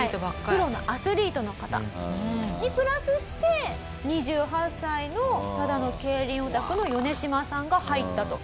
プロのアスリートの方にプラスして２８歳のただの競輪オタクのヨネシマさんが入ったと。